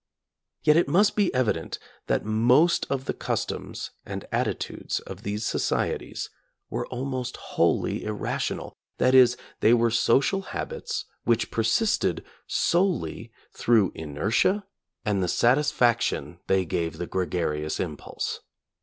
Yet it must be evident that;' most of the customs and at titudes of these societies were almost wholly ir rational, that is, they were social habits which persisted solely through inertia and the satisfac tion they gave the gregarious impulse.